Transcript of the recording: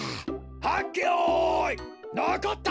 はっけよいのこった！